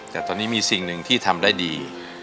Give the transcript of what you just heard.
แต่ตอนนี้มีสิ่งหนึ่งที่ทำได้ดี